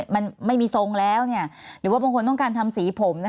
มันไม่มีทรงแล้วหรือว่าบางคนต้องการทำสีผม